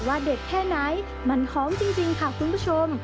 เด็ดแค่ไหนมันหอมจริงค่ะคุณผู้ชม